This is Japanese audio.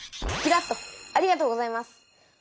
キラッとありがとうございます。